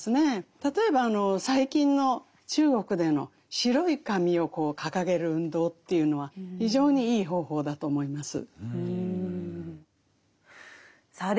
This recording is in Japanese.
例えば最近の中国での白い紙をこう掲げる運動というのは非常にいい方法だと思います。